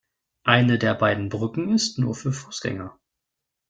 Eine der beiden Brücken ist nur für Fußgänger.